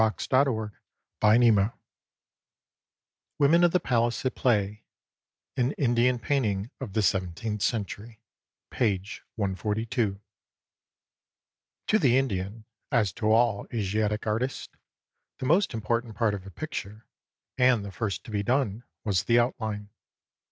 WOMEN OF THE PALACE AT PLAY WOMEN OF THE PALACE AT PLAY (An Indiatt painting of the seventeenth century) To the Indian, as to all Asiatic artists, the most impor tant part of a picture, and the first to be done, was the out line.